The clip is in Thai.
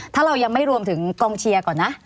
ถ้าเรายังไม่รวมถึงกองเชียร์ก่อนนะ